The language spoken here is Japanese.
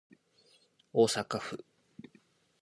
大阪府